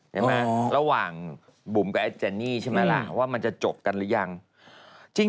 ระหว่างบุ๋มกับไอ้เจนี่ใช่ไหมล่ะว่ามันจะจบกันหรือยัง